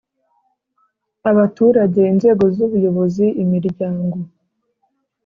Abaturage inzego z ubuyobozi imiryango